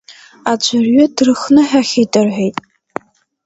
Аӡәырҩы дрыхныҳәахьеит рҳәеит.